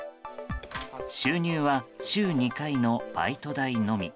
収入は週２回のバイト代のみ。